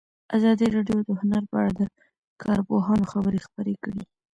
ازادي راډیو د هنر په اړه د کارپوهانو خبرې خپرې کړي.